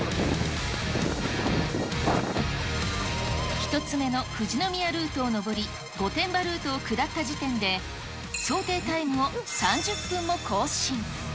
１つ目の富士宮ルートを登り、御殿場ルートを下った時点で、想定タイムを３０分も更新。